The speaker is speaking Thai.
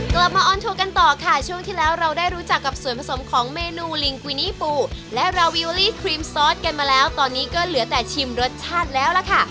มาออนทัวร์กันต่อค่ะช่วงที่แล้วเราได้รู้จักกับส่วนผสมของเมนูลิงกุยนี่ปูและราวิวลี่ครีมซอสกันมาแล้วตอนนี้ก็เหลือแต่ชิมรสชาติแล้วล่ะค่ะ